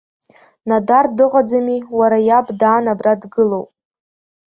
Нодар дыҟаӡами, уара, иаб даан абра дгылоуп.